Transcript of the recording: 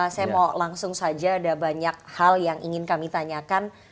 saya mau langsung saja ada banyak hal yang ingin kami tanyakan